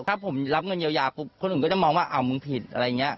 ถ้าผมรับเงินเยียวยาปุ๊บคนอื่นก็จะมองว่าอ้าวมึงผิดอะไรอย่างนี้